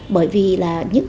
bởi vì là những